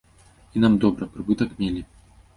І нам добра, прыбытак мелі.